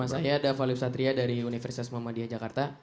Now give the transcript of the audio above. nama saya davalif satria dari universitas muhammadiyah jakarta